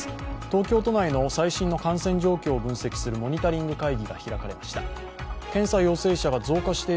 東京都内の最新の感染状況を分析するモニタリング会議が開かれました。